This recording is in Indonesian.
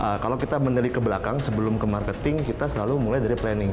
tapi kalau kita mendekati kelakangan sebelum ke marketing kita selalu mulai dari planning